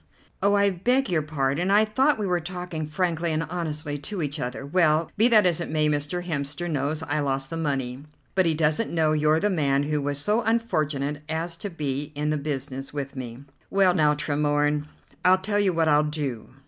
"Oh, I beg your pardon; I thought we were talking frankly and honestly to each other. Well, be that as it may, Mr. Hemster knows I lost the money, but he doesn't know you're the man who was so unfortunate as to be in the business with me." "Well now, Tremorne, I'll tell you what I'll do.